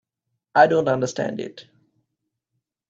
I don't understand it.